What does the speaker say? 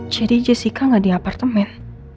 jadi jessica gak di apartemen